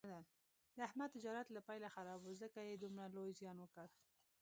د احمد تجارت له پیله خراب و، ځکه یې دومره لوی زیان وکړ.